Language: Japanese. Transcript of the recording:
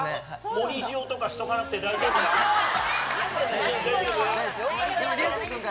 盛り塩とかしとかなくて大丈夫か？